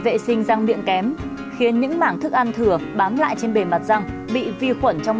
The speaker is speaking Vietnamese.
trẻ em vệ sinh răng miệng kém khiến những mảng thức ăn thửa bám lại trên bề mặt răng bị vi khuẩn trong